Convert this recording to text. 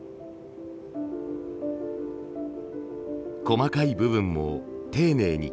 細かい部分も丁寧に。